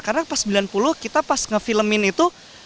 karena pas sembilan puluh kita pas nge filmin itu